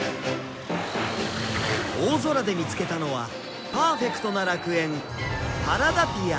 大空で見つけたのはパーフェクトな楽園パラダピア